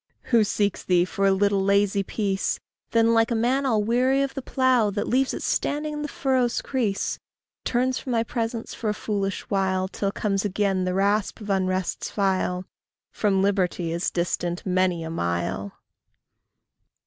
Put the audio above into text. Who seeks thee for a little lazy peace, Then, like a man all weary of the plough, That leaves it standing in the furrow's crease, Turns from thy presence for a foolish while, Till comes again the rasp of unrest's file, From liberty is distant many a mile.